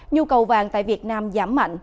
nhu cầu vàng tại việt nam giảm mạnh